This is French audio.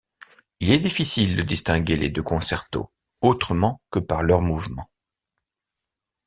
Il est difficile de distinguer les deux concertos, autrement que par leurs mouvements.